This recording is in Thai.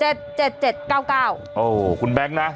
โอ้โหคุณแบงค์นะ